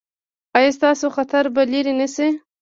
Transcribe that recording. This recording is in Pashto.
ایا ستاسو خطر به لرې نه شي؟